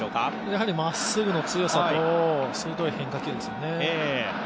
やはりまっすぐの強さと鋭い変化球ですね。